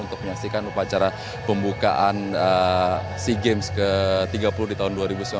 untuk menyaksikan upacara pembukaan sea games ke tiga puluh di tahun dua ribu sembilan belas